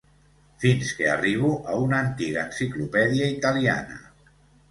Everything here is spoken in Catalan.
Fins que arribo a una antiga enciclopèdia italiana.